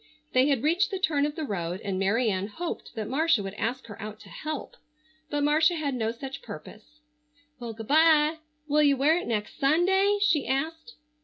They had reached the turn of the road and Mary Ann hoped that Marcia would ask her out to "help," but Marcia had no such purpose. "Well, good bye! Will you wear it next Sunday?" she asked.